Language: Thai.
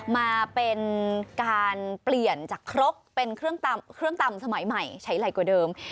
มาเป็นการเปลี่ยนจากครกเป็นเครื่องตำสมัยใหม่ใช้ใหญ่กว่าเดิม